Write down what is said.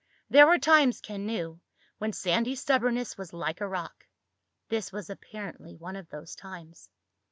There were times, Ken knew, when Sandy's stubbornness was like a rock. This was apparently one of those times.